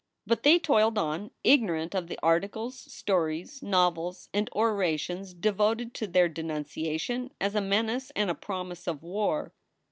But they toiled on, ignorant of the articles, stories, novels, and orations devoted to their denunciation as a menace and a promise of war.